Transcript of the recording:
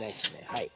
はい。